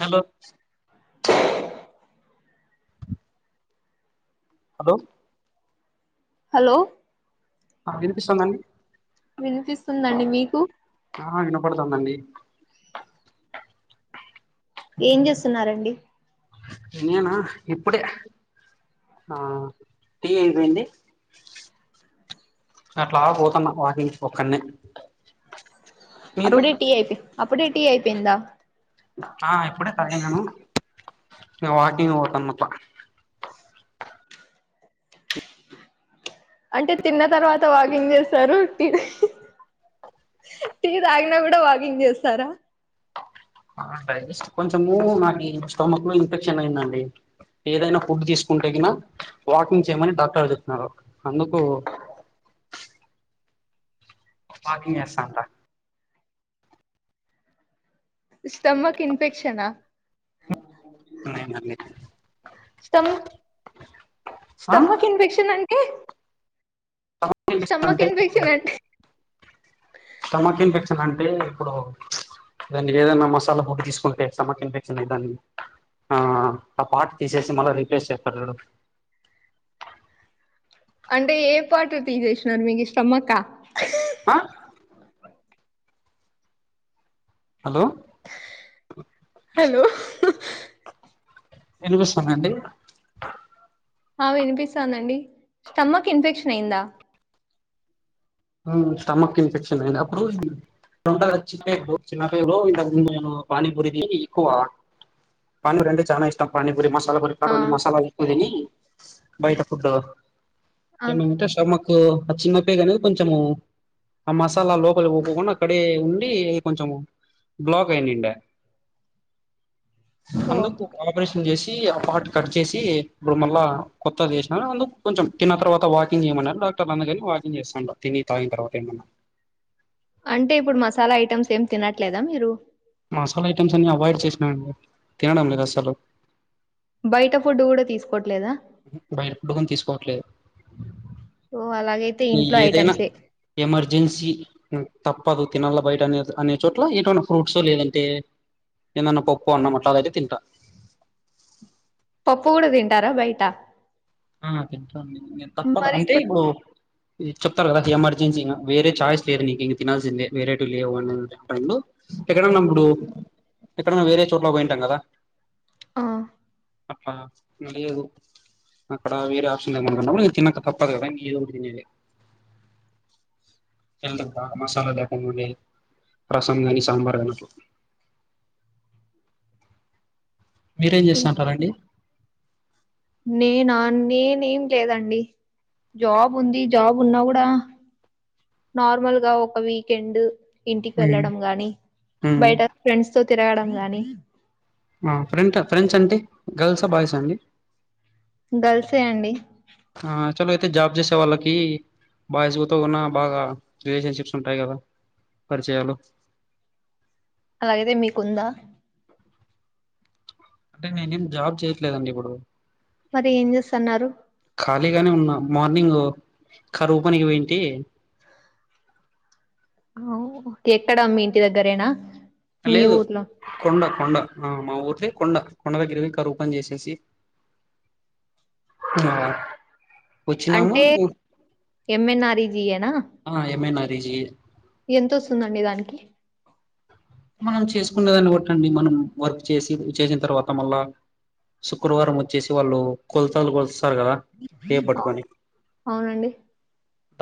Hello hello hello ఆ వినిపిస్తుందండి ఏం చేస్తున్నారండి నేనా ఇప్పుడే ఆ టి అయిపోయింది అట్లా పోతన్నా వాకింగ్కి ఒక్కనే అప్పుడే టి అయ్యి అప్పుడే టి అయిపోయిందా ఆ ఇప్పుడే తాగినాను ఇంకా వాకింగ్ పోతున్నా అంటే తిన్న తర్వాత వాకింగ్ చేస్తారు టీ తాగినా కూడా వాకింగ్ చేస్తారా టై కొంచెము నాకి స్టొమక్ లో ఇన్ఫెక్షన్ అయిందండి ఏదైనా ఫుడ్ తీసుకుంటేగిన వాకింగ్ చేయమని డాక్టర్ గారు చెప్తున్నారు అందుకు వాకింగ్ చేస్తాండా స్టమక్ ఇన్ఫెక్షనా నేనండి స్మ్ ఆ స్టమక్ ఇన్ఫెక్షన్ ఏంటి హే స్టమక్ ఇన్ఫెక్షన్ స్టమ్మక్ అంటే ఇన్ఫెక్షన్ ఏంటి స్టమక్ ఇన్ఫెక్షన్ అంటే ఇప్పుడు దానికి ఏదైనా మసాలా ఫుడ్ తీసుకుంటే స్టమక్ ఇన్ఫెక్షన్ దానికి ఆ పార్టీ తీసేసి మళ్ళా రిప్లేస్ చూడూ అంటే ఏ పార్టన్ని తీసేసినారు మీకు స్టొమకా ఆ హలో హలో వినిపిస్తానండి ఆ వినిపిస్తాందండి స్టమ్మక్ ఇన్ఫెక్షన్ అయిందా స్టమక్ ఇన్ఫెక్షన్ అయిన అప్పుడు ఉంటది గా చిన్న పేగు నేను పానీపూరి ఎక్కువ పానీపూరి అంటే చానా ఇష్టం పూరి మసాలా ఆ గురిడుని మసాలాలు ఎక్కువ తిని బయట ఫుడ్ ఆ ఏమైందంటే స్టొమక్కు మాకు ఆ చిన్న పేగు అనేది కొంచము ఆ మసాలా లోపలి పోకుండా అక్కడే ఉండి ఇది కొంచెం బ్లోక్ అయినంట ఓ అందుకు ఆపరేషన్ చేసి ఆ పాట్ కట్ చేసి ఇప్పుడు మళ్ళా కొత్తది చేసిన అందు కొంచెం తిన్న తర్వాత వాకింగ్ చెయ్యమన్నారు క్టర్ కాని వాకింగ్ చేస్తాండ తిని తాగిన తర్వాత ఏమైనా అంటే ఇప్పుడు మసాలా ఐటెమ్స్ ఏం తినట్లేదా మీరు మసాలా ఐటమ్స్ అన్ని అవాయిడ్ చేసినాండి తినడం లేదు అసలు బయట ఫుడ్ కూడా తీసుకోవట్లేదా బయటఫుడ్ కూడా తీసుకోవట్లేదు ఓ అలాగైతే మీ ఇంట్లో ఏదైనా ఐటమ్సే. ఎమర్జెన్సీ తప్పదు తినలా బయట అనే అనే చోట్ల ఏటున్నా ఫ్రూట్స్ లేదంటే ఏదన్నా పప్పు అన్నం అట్లాదైతే తింటా పప్పు కూడా తింటారా బయట ఆ తింటండి తప్పదు అంటే ఇప్పుడు చెప్తారు కదా ఎమర్జెసీ వేరే చాయిస్ లేదు నీకు ఇంకా తినల్సిందే వేరేటు లేవు అండు ఎక్కడన్నా ఇప్పుడు ఎక్కడన్నా వేరే చోట్లో పోయింటాం కదా ఆ! అట్లా నీవ్ అక్కడ వేరే ఆప్షన్ లేనపుడు తనక తప్పదు కదా ఇంకా ఏదో ఒకటి తినాలి మసాలా లేకుండా ఉండేది రసం కాని సాంబార్ అన్నం కానీ మీరేం ఇ చేస్తుంటారండి నేనా నేనేం లేదండి జాబ్ ఉంది జాబ్ ఉన్నా కూడా నార్మల్గా ఒక వీకెండ్ ఇంటికి హ్మ్. వెళ్ళడం గాని హ్మ్. బయట ఫ్రెండ్స్ తో తిరగడం గాని ఫ్రెంట్ ఫఫ్రెండ్స్ అంటే గర్ల్సా బాయ్స్ ఆ అండి గల్సే అండి అంటే జాబ్ చేసే వాళ్ళకి బాయ్స్తో ఉ బాగా రిలేషన్షిప్స్ ఉంటాయి కదా పరిచయాలు అలాగతే మీకుందా అంటే నేనేం జాబ్ చేయట్లేదండి ఇప్పుడు మరి ఏం చేస్తన్నారు ఖాళీగానే ఉన్నా మార్నింగ్ కరూపనికి పోయింటి ఓ ఎక్కడ మీ ఇంటి దగ్గరేనా మీ లేదు ఊర్లో కొండ కొండ మా ఊరుది కొండ దగ్గర కరువు పని చేసేసి ఆ వచ్చినమ అంటే ఎంఎన్ఆర్ఈజీయేనా? ఆ ఏమైనా రిజి ఎంతొస్తుందండి దానికి మనం చేసుకున్న దాన్ని బట్టి అండి మనం వర్క్ చేసి చేసిన తర్వాత మళ్ళా శుక్రవారం వచ్చేసి వాళ్ళు కొలతలు కొల్ వస్తారు కదా టేప్ అవును పట్టుకొని అవునండి.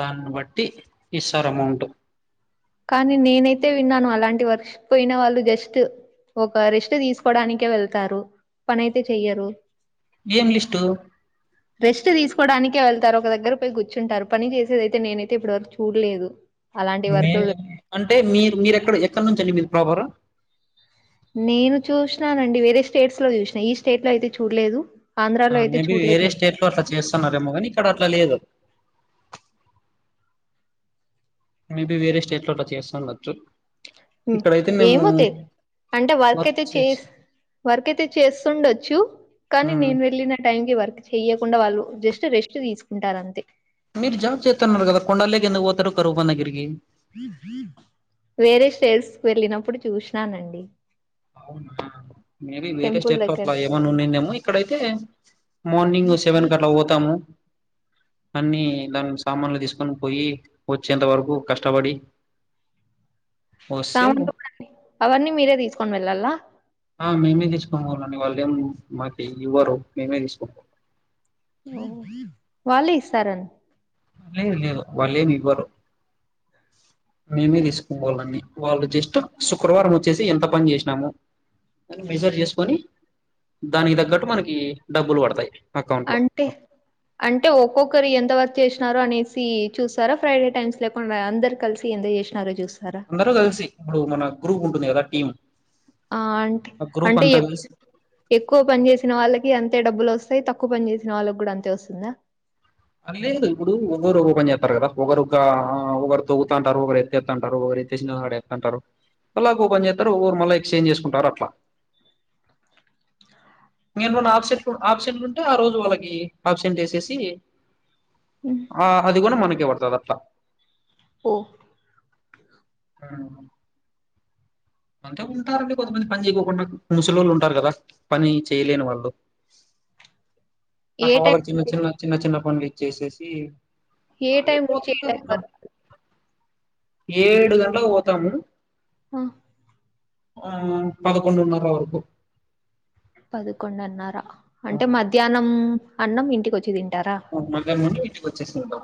దాన్ని బట్టి ఇస్తారు అమౌంట్ కానీ నేనైతే విన్నాను అలాంటి వర్క్స్ పోయిన వాళ్ళు జస్ట్ ఒక రిస్ట్ తీసుకోడానికే వెళ్తారు పని అయితే చెయ్యరు ఏం లిస్టు చకోవడానికే వెళ్తారు ఒక దగ్గర పోయి గుర్చుంటారు పని చేసేదితే నేనైతే ఇప్పటివరకు చూడలేదు అలాంటి మే వర్కులు అంటే మీరు మీరు ఎక్కడ ఎక్కడ నుంచండి మీరు ప్రాపర్ నేను చూసినానండి వేరే స్టేట్స్ లో చూసినా ఈ స్టేట్ లో అయితే చూడలేదు ఆంధ్రాలో అయితే మేబి చూడలేదు వేరే నేను స్టేట్ లో అట్లా చేస్తున్నేమో కాని ఇక్కడ అట్లా లేదు మేబి వేరే స్టేట్ లో అట్లా చేస్తా ఉండొచ్చు ఏమో తెల అంటే వర్క్ అయితే చేసి వర్క్ అయితే చేస్తుండొచ్చు కానీ ఉమ్ నేను వెళ్ళిన టైం క వర్క్ చెయ్యకుండా వాళ్ళు జస్ట్ రెస్ట్ తీసుకుంటారు అంతే మీరు జాబ్ చేతతున్నారు కదా కొండాలోకి ఎందుకు పోతారూ కరువుపని దగ్గరికి వేరే స్టేట్స్ కు వెళ్ళినప్పుడు చూసినానండి అవునా మేబి వేరే టెంపుల్ స్టెట్ లో దగ్గర అట్లా ఏమన్నా ఉన్నాందేమో ఇక్కడైతే మార్నింగ్ సెవెన్ క అట్లా పోతాము అన్ని దాన్ని సామాన్లు తీసుకు తీసుకని పోయి వచ్చేంత వరకు కష్టపడి వస్తే సామాన్లు అవన్నీ మీరే తీసుకు ఆ మేమే తెచ్చుకోం ని వాళ్ళేం మాకి ఇవ్వరు మేమే తీసుకుంటం వల్లే ఇస్తారా లేదు లేదు వల్ల ఏం ఇవరు మేమే తీసుకు వాళ్ళన్నీ వాళ్ళు జస్ట్ శుక్రవారం వచ్చేసి ఎంత పని చేసినాము అని మెజర్ చేసుకొని దానికి తగ్గట్టు మనకి డబ్బులు పడతాయి అకౌంట్ లో అంటే అంటే ఒక్కొక్కరి ఎంత వరకు చేస అనేసి చూస్తారా ఫ్రైడే టైమ్స్ లేకుండా అందరు కలిసి ఎందుకు చేసినారో చూస్త అందరు కలిసి ఇప్పుడు మన గ్రూప్ ఉంటుంది కదా టీం ఆ అంటే ఆ గ్రూప్ అంటే అంతా కలిసి ఎక్కువ పని చేసిన వాళ్ళకి అంతే డబ్బులు వస్త సో తక్కువ పని చేసిన వాళ్ళకి కూడా అంతే వస్తుందా లేదు ఇప్పుడు ఒకరు ఒక్కో పని చేస్తారు కదా ఒకరు ఒక ఒకరు అది తవుతుంటారు ఒకరు ఎత్తేతుంటారురు ఏటేసి అంటారు మళ్ళా ఒకరు చేస్తారు ఒకరు మళ్ళీ ఎక్స్చేంజ్ చేసుకుంటారు అట్లా నీ మల్ల అబ్సెన్ అబ్సెంట్లు ఉంటే ఆరోజు వాళ్లకి ఆబ్సెంట్ వేసేసి ఆ అది కూడా మనకే పడుతుంది అట్లా ఓ ఆ అంటే ఉంటారండి కొంతమంది పని చేయకోకుండా ముసలోలు ఉంటారు కదా పని చేయలేని వాళ్ళు ఏ అట్లా టైం వాలక్ చిన్న నుంచి చిన్న చిన్న చిన్న పనులు ఇచ్చేసేసి ఏ అ టైం నుంచి ఏ ఏప్రొతుంటది టైం వరకు ఏడు గంటలకు పోతాము ఆ ఆ పడకుండునర వరకు పదకొండున్నరా అంటే ఆహ్, మధ్యాహ్నం అన్నం ఇంటికి వచ్చేదిం ఆ మధ్యానం ఇంటికొచేసి తింటాం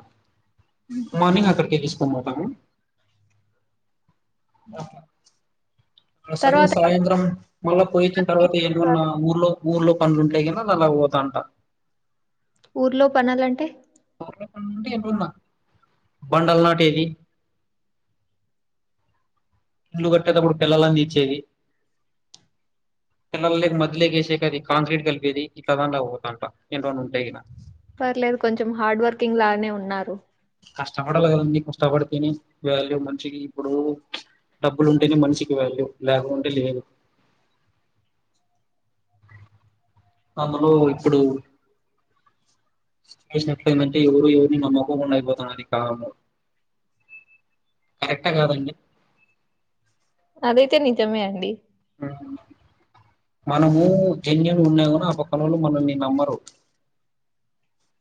హ్మ్. మార్నింగ్ అక్కడికే తీసుకొనిపోతాం బక సారి తర్వాత ఏం సాయంత్రం మళ్ళా పోయిచ్చిన తర్వాత చేస్తారు? ఎమన్నా ఊర్లో ఊర్లో పనులు ఉంటాయి కదా మల్ల అట్టు పోతాంట ఊర్లో పనులంటే వెళ్ళిపోతే బండలు నాటేది ఇల్లు కట్టేటప్పుడు పుల్లలు అందిచ్చేది పిల్లర్లు మధ్యలోకేసే కది కాంక్రీట్ కలిపేది ఇట్లా దాంట్ల పోతంట ఏంటలోన్న ఉంటాయి ఇలా పర్లేదు కొంచెం హార్డ్ వర్కింగ్ లానే ఉన్నారు కష్టపడాలి కదండీ కష్టపడితేనే వాల్యూ మంచిది ఇప్పుడు డబ్బులు ఉంటేనే మనిషికి వాల్యూ లేకుంటే లేదు అందులో ఇప్పుడు చేసినట్ల ఏమంటే ఎవరు ఎవరిని నమ్మకం అయిపోతాను అది కావము కరెక్ట్ కాదండి అదైతే నిజమే అండి ఆ మనము జన్యున్ ఉన్నాగాని ఆ పక్కనోలు మనల్ని నమ్మరు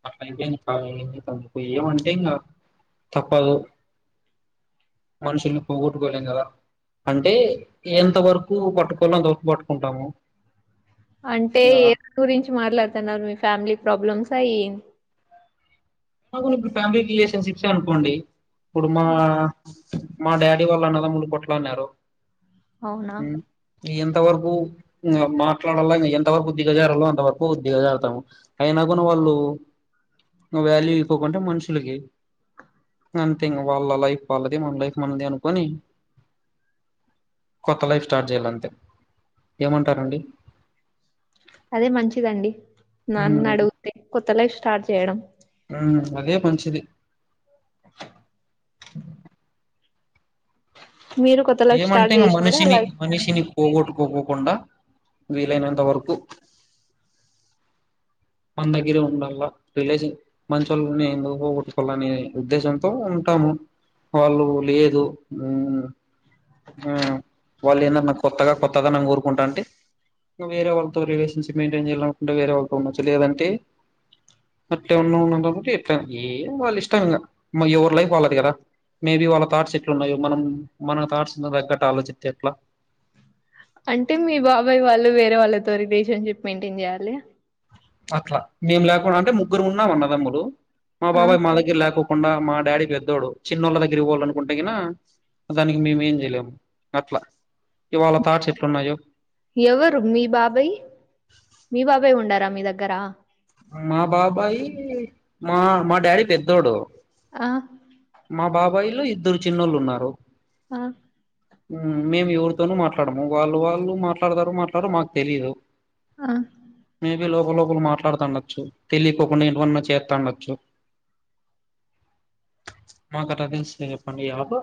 అట్లయిపోయింది ఏమంటే ఇంకా తప్పదు మనుషుల్ని పోట్టుకోలేం కద అంటే ఎంత వరకు పట్టుకోల్లో అంత వరకు పట్టుకుంటాము అంటే ఇంగ ఏద గురించి మాట్లాడుతున్నారు మీ ఫ్యామిలీ ప్రాబ్లమ్సా అయి అ ఇప్పుడు ఫ్యామిలీ రిలేషన్షిప్సే అనుకోండి ఇప్పుడు మా ఆ! మా డాడీ వాళ్ళు అన్నదములు కొటలాన్నారు అవునా ఎంత వరకు మాట్లాడలా ఎంత వరకుదిగ జారలో అంత వరకు దిగా జారుతాము అయినా కూడా వాళు వ్యాల్యూ ఇకోకుంటే మనుషులకి అంతే ఇకా వాళ్ళ లైఫ్ వాళ్ళది మన లైఫ్ మనది అనుకని కొత్త లైఫ్ స్టార్ట్ చేయాలంతే ఏమంటారండి అదే మంచిదండి ఉమ్, నన్ను అడిగితే కొత్త లైఫ్ స్టార్ట్ చేయడం ఉమ్, అదే మంచిది మీరు కొత్త లైఫ్ ఏమంటే స్టార్ట్ ఇం చేసినారా మనిషిని అలాగే మనిషిని పోగొట్టుకోకోకుండా వీలైనంత వరకు మన దగ్గర ఉండాల రిలేషన్ మంచి వాళ్ళని ఎందు పోగొట్కోవాలనే ఉద్దేశంతో ఉంటు ము వాళ్ళు లేదు వాళ్ళు ఏందన్నా కొత్తగా కొత్తగా న ఊరుకుంటా అంటే వేరే వాళ్ళతో రిలేషన్షిప్ మెయిైన్ చేయాలనుకుంటే వేరే వాళ్ళతో ఉండచ్చు లేదంటే అంటే ఉన్న ఉన్న ఎ ఏం వాళ్ళు ఇష్టం ఇంకా ఎవరు లైఫ్ వాళ్ళది కదా మేబి వాళ్ళ థాట్స్ ఎట్లు ఉన్నాయో మనం మన థాట్స్ తగ్గట్ ఆలోచితే ఎట్లా అంటే మీ బాబాయ్ వాళ్ళు వేరే వాళ్ళతో రిలేషన్షిప్ మెయింటైన్ చేయాలి అట్లా మేము లేకుండా అంటే ముగ్గురు ఉన్నాం అన్నదములు మా ఆ బాబాయ్ మా దగ్గర లేకుడా కాకుండా మా డాడీ పెద్దోడు చిన్నోళ్ళ దగ్గర పోవాల అనుకుంటే కనా దానికి మేము ఏం చేయలేము అట్లా ఇవాళ థాట్స్ ఎట్లున్నాయో ఎవరు మీ బాబాయ్ మీ బాబాయ్ ఉండారా మీ దగ్గరా మా బాబాయి మా మా డాడీ పెద్దోడు ఆ మా బాబాయిలో ఇద్దరు చిన్నోళ్ళు ఉన్నారు ఆ మేము ఎవరితోనూ మాట్లాడము వాళ్ళు వాళ్ళు మాట్లాడతారు మాట్లాడరు మాకు తెలీదు ఆ మేబి లోప లోపల మాట్లాడు అండొచ్చు తెలియకోకుండా ఏంటివన్నా చేస్తా అండొచ్చు మా కట్ట తెలిస్తే చెప్పండి యాప్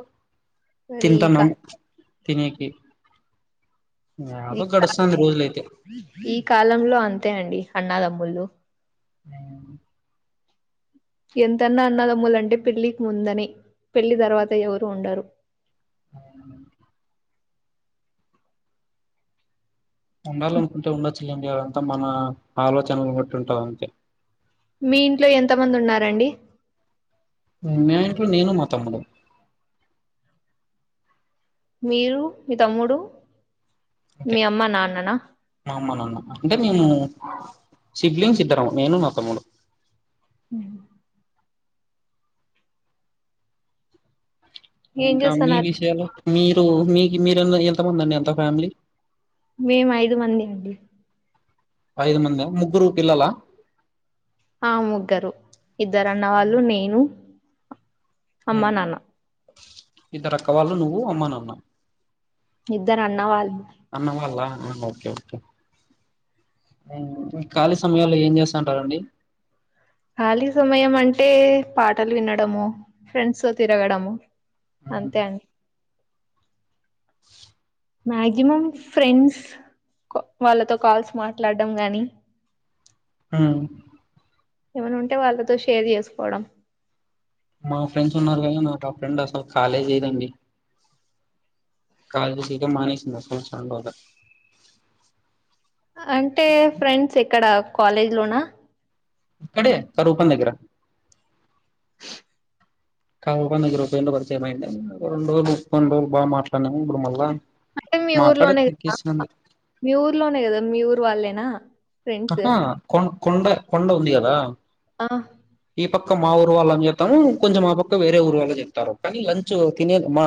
సరే ఈక తింటన్నాం తినేకి ఈ యాదో గడుస్తాంది రోజులైతే ఈ కాలంలో అంతే అండి అన్నాదమ్ములు అ ఎంతన్నా అన్నదమ్ములంటే పెళ్లికి ముందని పెళ్లి తర్వాత ఎవరు ఉండరు అ ఉండాలనుకుంటే ఉండొచ్చులేండి అదంతా మన ఆలోచనలు బట్టి ఉంటంది అంతే మీ ఇంట్లో ఎంత మంది ఉన్నారండి నెట్లు నేను మా తమ్ముడు మీరు మీ తమ్ముడు అంతే మీ అమ్మ నాన్నన్ అమ్మ నాన్న అంటే మేము సిబ్లింగ్స్ ఇద్దరము నేను మా పదమూడు ఉ ఏం ఇంకా మీ చేస్తున్నారు విషయలు మీరు మీకి మీరు ఎంతమంది అండి ఎంత ఫ్యామిలీ మేము ఐదు మంది అండి ఐదు మంద ముగ్గురు పిల్లల ఆ ముగ్గరు ఇద్దరు అన్న వాళ్ళు నేను అమ్మా నాన్న ఇద్దరక్కవాళ్ళు నువ్వు అమ్మనాన్న ఇద్దరు అన్న వాల్ అన్నవాల్ల ఆ ఓకే ఓకే ఖాళీ సమయాంలో ఏం చేస్తంటారండి ఖాళీ సమయం అంటే పాటలు వినడము ఫ్రెండ్స్ తో తిరగడం అంతే అండి మాక్సిమం ఫ్రెండ్స్ వాళ్ళతో కాల్స్ మాట్లాడడం గాని ఆ ఏమనా ఉంటే వాళ్ళతో షేర్ చేసుకోవడం మా ఫ్రెండ్స్ ఉన్నారు కాని నాకు ఆ ఫ్రెండ్ అసలు కాలేజ్ అయ్యదండి కాలజ సీక మానేసిందండద అంటే ఫ్రెండ్స్ ఎక్కడ కాలేజ్ లోనా ఇక్కడే కరువు పని దగ్గర కరువు పని దగ్గర పరిచయం అయ్యిండు రెండు రోజులు ము కొన్ని రోజలు బా మాట్లాడినాము ఇప్పుడు మళ్లా అంటే మీ ఊర్లోనే కదా మీ ఊర్లోనే కదా మీ ఊరు వాళ్ళేనా ఫ్రెండ్స్ అహ కొ కొండ కొండ ఉంది కదా ఆ ఈ పక్క మా ఊరు వాళ్ళని చెప్తాము కొంచెం మా పక్క వేరే ఊరు వాళ్ళ చెప్తారు కానీ లంచ్ తినే మా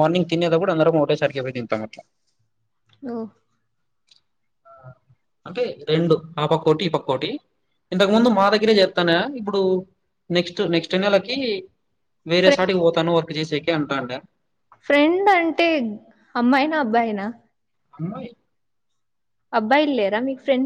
మార్నింగ్ తినేదబుడు కూడా అందరము ఒకటేసాటికి పోయి తింటాం అట్ల ఓ అంటే రెండు ఆ పక్కటి ఈ పక్కోటి ఇంతకు ముందు మా దగ్గరే చెత్తానే ఇప్పుడు నెక్స్ట్ నెక్స్ట్ నెలకి ఫ్రెండ్ వేరేసాటికి పోతాను వర్క్ చేసేకి అంటాం ఫ్రెండ్ అంటే అమ్మాయినా అబ్బాయినా అయి అబ్బాయిల్లేరా మీ ఫ్రెండ్స్